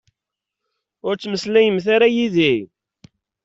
Ur ttmeslayemt ara yid-i.